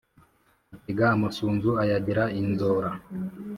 Atega amasunzu ayagira inzora